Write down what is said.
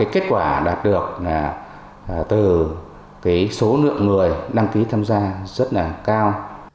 kết quả đạt được từ số lượng người đăng ký tham gia rất là cao